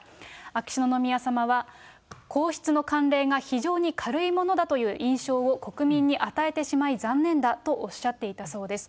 秋篠宮さまは、皇室の慣例が非常に軽いものだという印象を国民に与えてしまい残念だとおっしゃっていたそうです。